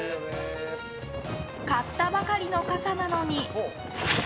買ったばかりの傘なのに。